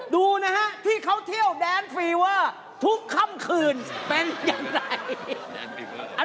ดูนะฮะที่เขาเที่ยวแดนฟรีว่าทุกค่ำคืนเป็นอย่างไร